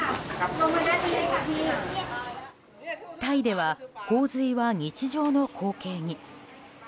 タイでは洪水は日常の光景に。